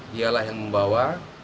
dialah yang membawa